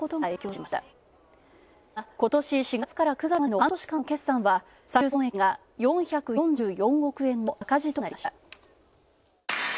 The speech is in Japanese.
また、今年４月から９月までの半年間の決算は最終損益が４４４億円の赤字となりました。